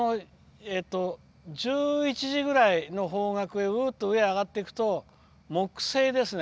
１１時ぐらいの方角へ上に上がっていくと木星ですね